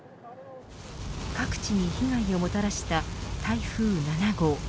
各地に被害をもたらした台風７号。